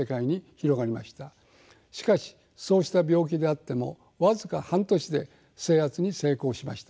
しかしそうした病気であっても僅か半年で制圧に成功しました。